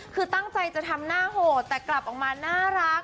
คือตั้งใจจะทำหน้าโหดแต่กลับออกมาน่ารัก